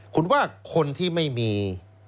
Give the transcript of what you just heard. คุณว่าคนที่ไม่มี